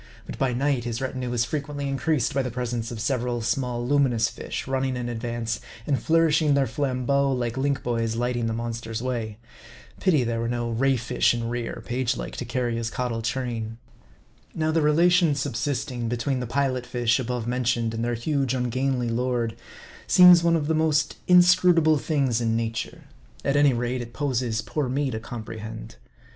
But by night his retinue is frequently in creased by the presence of several small luminous fish, run ning in advance, and nourishing their flambeaux like link boys lighting the monster's way. Pity there were no ray fish in rear, page like, to carry his caudal train. Now the relation subsisting between the Pilot fish above mentioned and their huge ungainly lord, seems one of the most inscrutable things in nature. At any rate, it poses poor me to comprehend.